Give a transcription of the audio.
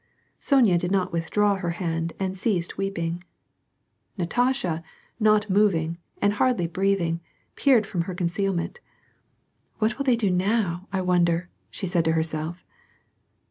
Sonya did not withdraw her hand and ceased weeping. Natasha, not moving, and hardly breathing, peered from ^her concealment. " What will they do now, I wonder," she said to herself.